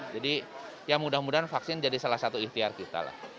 jadi ya mudah mudahan vaksin jadi salah satu ikhtiar kita